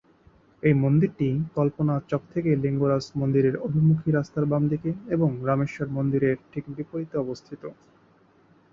এই মন্দিরটি কল্পনা চক থেকে লিঙ্গরাজ মন্দিরের অভিমুখী রাস্তার বাম দিকে এবং রামেশ্বর মন্দিরের ঠিক বিপরীতে অবস্থিত।